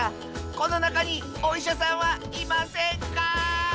このなかにおいしゃさんはいませんか？」。